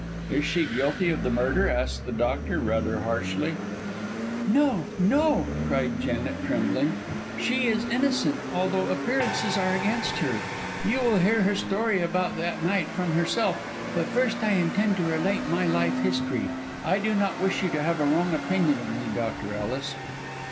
"Is she guilty of the murder?" asked the doctor, rather harshly. "No, no," cried Janet, trembling. "She is innocent, although appearances are against her. You will hear her story about that night from herself, but first I intend to relate my life history. I do not wish you to have a wrong opinion of me, Dr. Ellis."